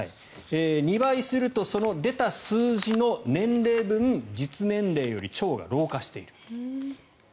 ２倍するとその出た数字の年齢分実年齢より腸が老化している。